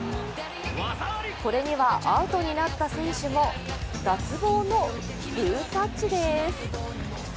これにはアウトになった選手も脱帽のグータッチです。